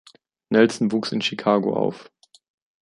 Nelson wuchs in Chicago auf.